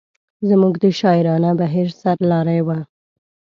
زموږ د شاعرانه بهیر سر لاری و.